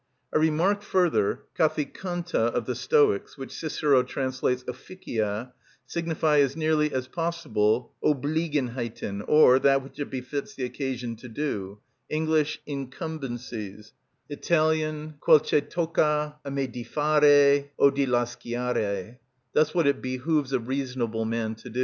I remark further, that the καθγκοντα of the Stoics, which Cicero translates officia, signify as nearly as possible Obliegenheiten, or that which it befits the occasion to do; English, incumbencies; Italian, quel che tocca a me di fare, o di lasciare, thus what it behoves a reasonable man to do.